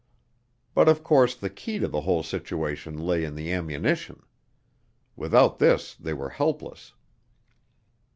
But of course the key to the whole situation lay in the ammunition. Without this they were helpless.